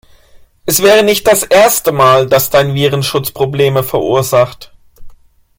Es wäre nicht das erste Mal, dass dein Virenschutz Probleme verursacht.